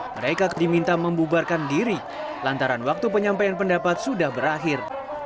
mereka diminta membubarkan diri lantaran waktu penyampaian pendapat sudah berakhir